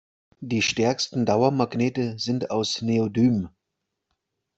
Die stärksten Dauermagnete sind aus Neodym.